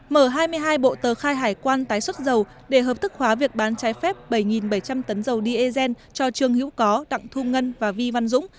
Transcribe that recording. mở hai mươi hai bộ tờ khai hải quan tái xuất dầu để hợp thức hóa việc bán trái phép bảy bảy trăm linh tấn dầu diesel cho trường hữu có đặng thu ngân và vi văn dũng